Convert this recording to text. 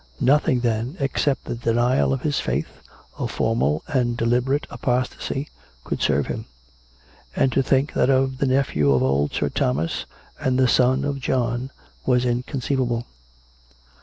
Nothing, then, except the denial of his faith — a for mal and deliberate apostasy — could serve him ; and to think that of the nephew of old Sir Thomas, and the son of John, was inconceivable.